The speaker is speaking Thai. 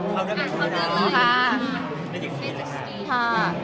ค่ะ